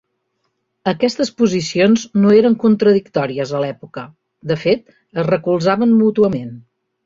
Aquestes posicions no eren contradictòries a l'època; de fet, es recolzaven mútuament.